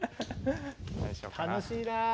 楽しいなぁ。